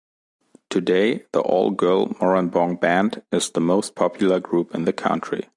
Today, the all-girl Moranbong Band is the most popular group in the country.